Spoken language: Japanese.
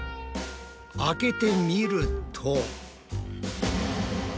開けてみると。